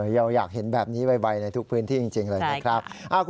เราอยากเห็นแบบนี้ไวในทุกพื้นที่จริงเลยนะครับ